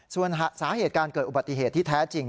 ส่วนสาเหตุการเกิดอุบัติเหตุที่แท้จริง